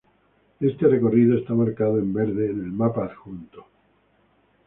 Este recorrido está marcado en verde en el mapa adjunto.